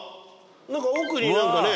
何か奥に何かね